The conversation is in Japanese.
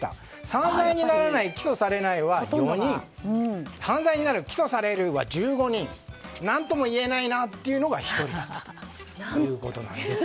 犯罪にならない起訴されないは４人犯罪になる、起訴されるは１５人何とも言えないというのが１人。